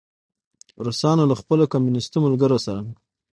روسانو له خپلو کمونیسټو ملګرو سره.